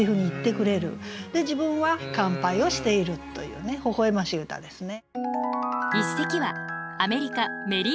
自分は乾杯をしているというねほほ笑ましい歌ですね。